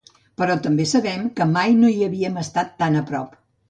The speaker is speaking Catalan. Però també sabem que mai no hi havíem estat tan a prop.